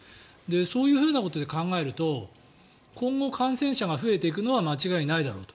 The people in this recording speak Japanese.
そういうことで考えると今後、感染者が増えていくのは間違いないだろうと。